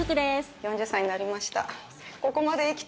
４０歳になりました。